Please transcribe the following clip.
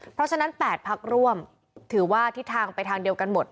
เพราะฉะนั้น๘พักร่วมถือว่าทิศทางไปทางเดียวกันหมด